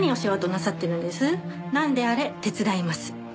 なんであれ手伝います。